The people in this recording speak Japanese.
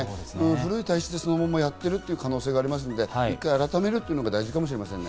古い体質、そのままでやってる可能性があるので、一回改めることが大事かもしれませんね。